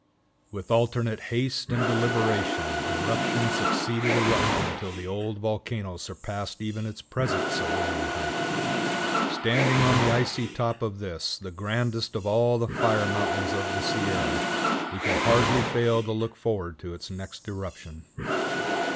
With alternate haste and deliberation eruption succeeded eruption till the old volcano surpassed even its present sublime height. [Illustration: MOUNT SHASTA] Standing on the icy top of this, the grandest of all the fire mountains of the Sierra, we can hardly fail to look forward to its next eruption.